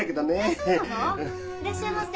いらっしゃいませ。